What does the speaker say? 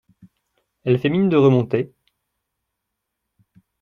Elle fait mine de remonter.